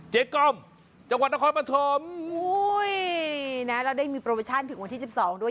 เจ๊ก้อมจังหวัดนครปฐมอุ้ยนะแล้วได้มีโปรโมชั่นถึงวันที่สิบสองด้วย